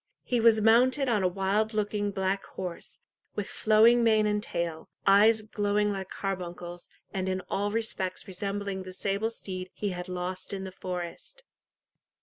He was mounted on a wild looking black horse, with flowing mane and tail, eyes glowing like carbuncles, and in all respects resembling the sable steed he had lost in the forest.